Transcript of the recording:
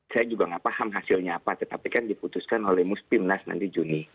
saya juga nggak paham hasilnya apa tetapi kan diputuskan oleh muspimnas nanti juni